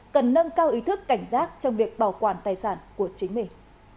cần nâng cao ý thức cảnh giác trong việc bảo quản tài sản của chính mình